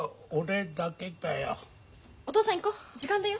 お父さん行こう時間だよ。